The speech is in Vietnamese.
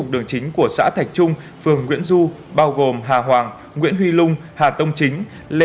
bốn mươi đường chính của xã thạch trung phường nguyễn du bao gồm hà hoàng nguyễn huy lung hà tông chính